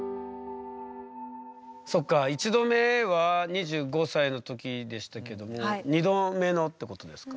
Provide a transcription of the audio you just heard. そっか１度目は２５歳の時でしたけども２度目のってことですか？